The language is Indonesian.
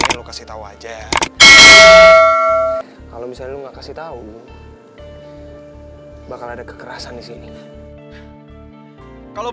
ayo kecil kecil kecil